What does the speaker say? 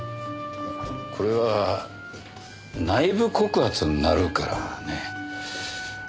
これは内部告発になるからね。